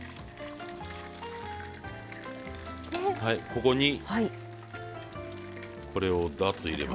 ここにこれをだっと入れます。